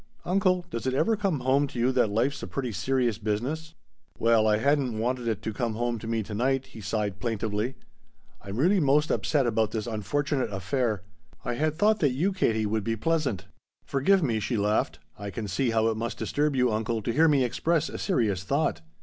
"Uncle, does it ever come home to you that life's a pretty serious business?" "Well I hadn't wanted it to come home to me tonight," he sighed plaintively. "I'm really most upset about this unfortunate affair. I had thought that you, Katie, would be pleasant." "Forgive me," she laughed. "I can see how it must disturb you, uncle, to hear me express a serious thought."